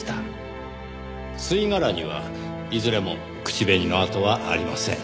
吸い殻にはいずれも口紅の跡はありません。